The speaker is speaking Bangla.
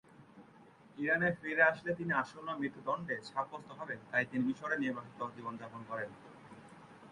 ইরানে ফিরে আসলে তিনি আসন্ন মৃত্যুদণ্ডে সাব্যস্ত হবেন; তাই তিনি মিশরে নির্বাসিত জীবন যাপন করেন।